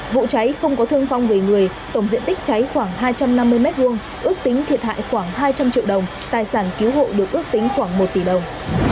vụ cháy không có thương vong về người tổng diện tích cháy khoảng hai trăm năm mươi m hai ước tính thiệt hại khoảng hai trăm linh triệu đồng tài sản cứu hộ được ước tính khoảng một tỷ đồng